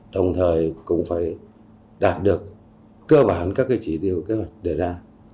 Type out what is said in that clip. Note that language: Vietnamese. đồng thời cũng phải đạt được cơ bản các chỉ tiêu kế hoạch đề ra